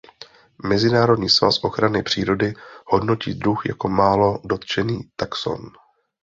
Mezinárodní svaz ochrany přírody hodnotí druh jako málo dotčený taxon.